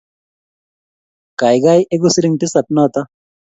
Kaikai egu siling tisap notok